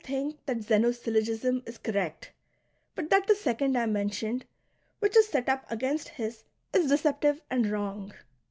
think that Zeno's syllogism « is correct, but that the second " I mentioned, which is set up against his, is deceptive and wrong.